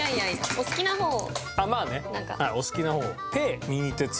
お好きな方を。